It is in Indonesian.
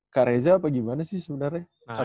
kak reza apa gimana sih sebenarnya